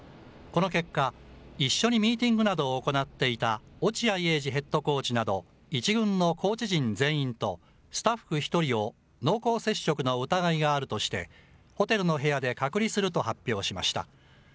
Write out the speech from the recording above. この結果、一緒にミーティングなどを行っていた落合英二ヘッドコーチなど、１軍のコーチ陣全員と、スタッフ１人を濃厚接触の疑いがあるとして、ホテルの部屋で隔離すると発表しました。